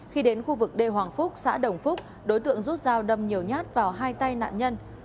khi đến khu vực đê hoàng phúc xã đồng phúc đối tượng rút dao đâm nhiều nhát vào hai tay nạn nhân